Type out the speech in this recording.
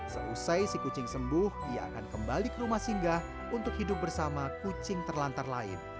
seusai si kucing sembuh ia akan kembali ke rumah singgah untuk hidup bersama kucing terlantar lain